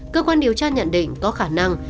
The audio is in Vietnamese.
cơ quan điều tra nhận định có khả năng